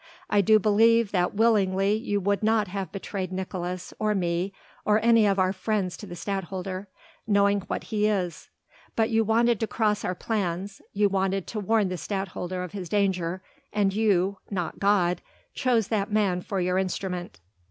I do believe that willingly you would not have betrayed Nicolaes or me or any of our friends to the Stadtholder, knowing what he is. But you wanted to cross our plans, you wanted to warn the Stadtholder of his danger, and you not God chose that man for your instrument."